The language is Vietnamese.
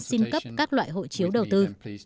xin cấp các loại hộ chiếu đầu tư